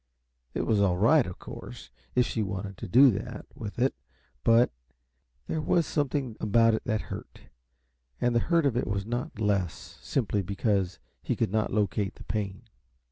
It was all right, of course, if she wanted to do that with it, but There was something about it that hurt, and the hurt of it was not less, simply because he could not locate the pain.